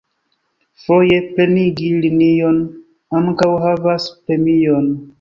Foje, plenigi linion ankaŭ havas premion.